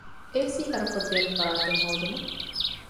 އޭ.ސީ ހަރުކޮށްދޭނެ ފަރާތެއް ހޯދުމަށް